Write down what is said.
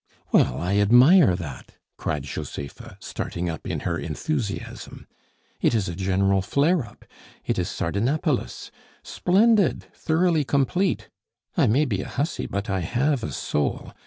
"Well, I admire that!" cried Josepha, starting up in her enthusiasm. "It is a general flare up! It is Sardanapalus! Splendid, thoroughly complete! I may be a hussy, but I have a soul!